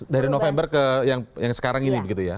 dari november ke yang sekarang ini begitu ya